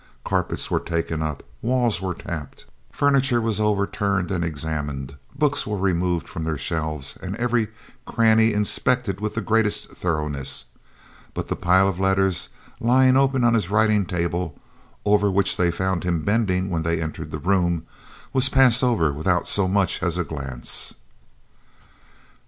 Carpets were taken up, walls were tapped, furniture was overturned and examined, books were removed from their shelves and every cranny inspected with the greatest thoroughness, but the pile of letters lying open on his writing table, over which they had found him bending when they entered the room, was passed over without so much as a glance.